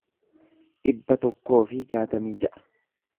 dhibba tokkoo fi jaatamii ja'a